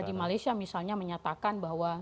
di malaysia misalnya menyatakan bahwa